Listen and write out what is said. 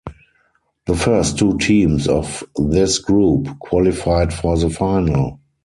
The first two teams of this group qualified for the final.